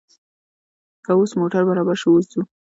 که اوس موټر برابر شو، اوس ځو.